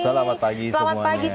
selamat pagi semuanya